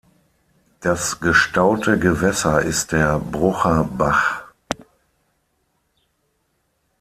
Das gestaute Gewässer ist der Brucher Bach.